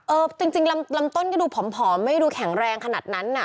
เออจริงลำต้นก็ดูผอมไม่ดูแข็งแรงขนาดนั้นน่ะ